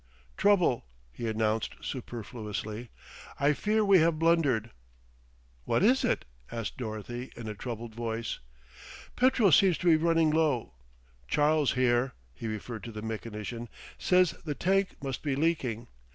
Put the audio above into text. "Trouble," he announced superfluously. "I fear we have blundered." "What is it?" asked Dorothy in a troubled voice. "Petrol seems to be running low. Charles here" (he referred to the mechanician) "says the tank must be leaking.